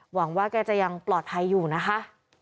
หวังว่าแกจะยังปลอดภัยอยู่นะคะ